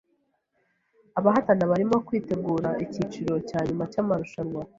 Abahatana barimo kwitegura icyiciro cya nyuma cyamarushanwa.